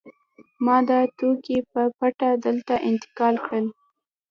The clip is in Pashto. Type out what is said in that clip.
ما دا توکي په پټه دلته انتقال کړل